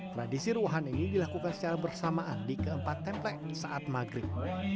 tradisi ruahan ini dilakukan secara bersamaan di keempat templek saat maghrib